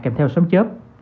kèm theo sớm chớp